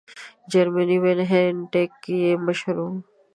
جرمنی وان هینټیګ یې مشر وو.